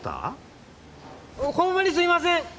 ホンマにすいません！